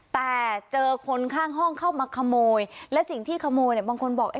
แต่เจอคนข้างห้องเข้ามาขโมยและสิ่งที่ขโมยเนี่ยบางคนบอก